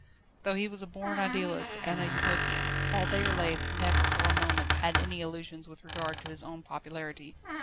Though he was a born idealist and a Utopian, Paul Déroulède had never for a moment had any illusions with regard to his own popularity.